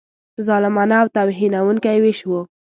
ظالمانه او توهینونکی وېش وو.